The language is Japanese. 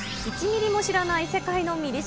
１ミリも知らない世界のミリ